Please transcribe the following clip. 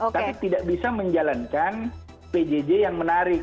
tapi tidak bisa menjalankan pjj yang menarik